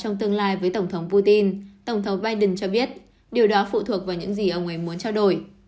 trong tương lai với tổng thống putin tổng thống biden cho biết điều đó phụ thuộc vào những gì ông ấy muốn trao đổi